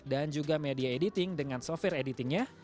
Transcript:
dan juga media editing dengan software editingnya